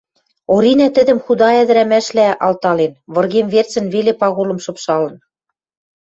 Оринӓ тӹдӹм худа ӹдӹрӓмӓшлӓ алтален, выргем верцӹн веле Пагулым шыпшалын.